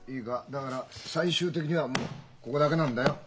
だから最終的にはもうここだけなんだよ。